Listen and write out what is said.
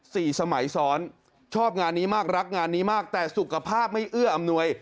สมัยซ้อนชอบงานนี้มากรักงานนี้มากแต่สุขภาพไม่เอื้ออำนวย